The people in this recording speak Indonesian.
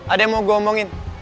ada yang mau gue omongin